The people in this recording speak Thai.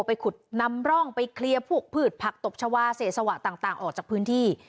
ไปขุดนำร่องไปเคลียร์พวกพืชผักตบชาวาเศษสวะต่างออกจากพื้นที่